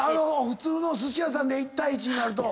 普通のすし屋さんで１対１になると。